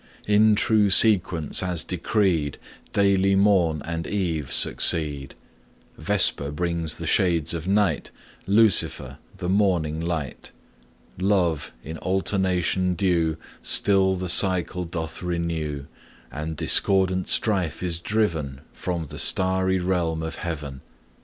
In true sequence, as decreed, Daily morn and eve succeed; Vesper brings the shades of night, Lucifer the morning light. Love, in alternation due, Still the cycle doth renew, And discordant strife is driven From the starry realm of heaven.